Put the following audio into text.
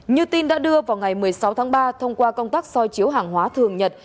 như tin đã đưa vào ngày một mươi sáu tháng ba thông qua công tác soi chiếu hàng hóa thường nhật